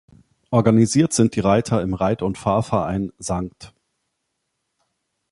Organisiert sind die Reiter im Reit- und Fahrverein „St.